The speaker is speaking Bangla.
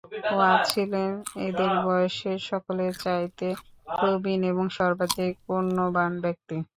ওয়াদ ছিলেন এদের বয়সে সকলের চাইতে প্রবীণ এবং সর্বাধিক পুণ্যবান ব্যক্তি।